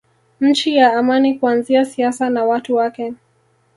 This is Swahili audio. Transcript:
Nchi ya amani kuanzia siasa na watu wake